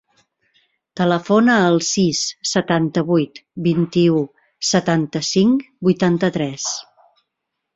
Telefona al sis, setanta-vuit, vint-i-u, setanta-cinc, vuitanta-tres.